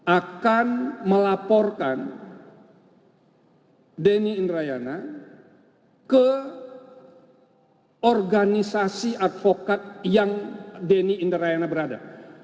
akan melaporkan denny indrayana ke organisasi advokat yang denny indrayana berada